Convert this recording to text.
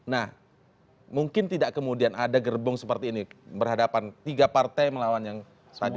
nah mungkin tidak kemudian ada gerbong seperti ini berhadapan tiga partai melawan yang tadi